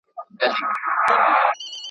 هيچا نه سوای کولای چي اعتراض وکړي.